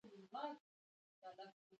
ګوښه کول د چا صلاحیت دی؟